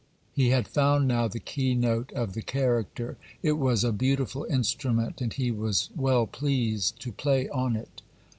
He had found now the key note of the character: it was a beautiful instrument, and he was well pleased to play on it.